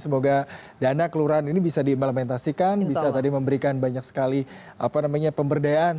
semoga dana kelurahan ini bisa diimplementasikan bisa tadi memberikan banyak sekali pemberdayaan